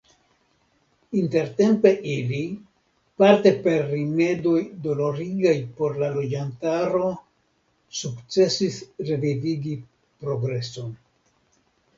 Intertempe ili – parte per rimedoj dolorigaj por la loĝantaro – sukcesis revivigi progreson.